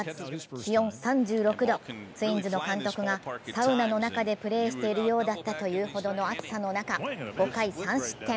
気温３６度、ツインズの監督がサウナの中でプレーしているようだったと言うほどの暑さの中、５回３失点。